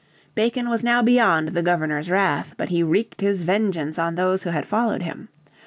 Bacon was now beyond the Governor's wrath, but he wreaked his vengeance on those who had followed him.